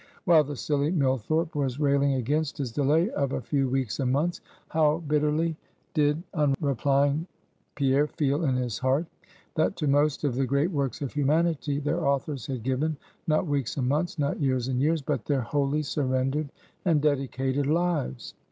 While the silly Millthorpe was railing against his delay of a few weeks and months; how bitterly did unreplying Pierre feel in his heart, that to most of the great works of humanity, their authors had given, not weeks and months, not years and years, but their wholly surrendered and dedicated lives.